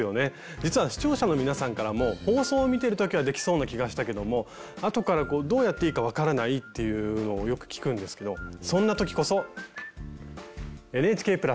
実は視聴者の皆さんからも放送を見てる時はできそうな気がしたけども後からどうやっていいか分からないっていうのをよく聞くんですけどそんな時こそ「ＮＨＫ＋」！